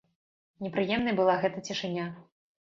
Непрыемнай была гэта цішыня.